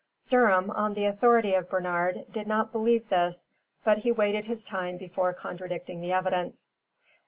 Durham, on the authority of Bernard, did not believe this, but he waited his time before contradicting the evidence.